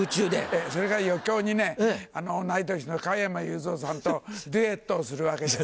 ええそれから余興にね同い年の加山雄三さんとデュエットをするわけです。